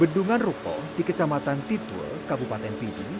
bendungan ruko di kecamatan titul kabupaten pidi